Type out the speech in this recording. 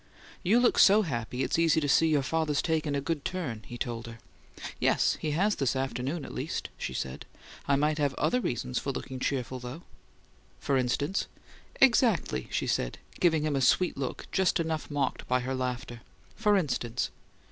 "You look so happy it's easy to see your father's taken a good turn," he told her. "Yes; he has this afternoon, at least," she said. "I might have other reasons for looking cheerful, though." "For instance?" "Exactly!" she said, giving him a sweet look just enough mocked by her laughter. "For instance!"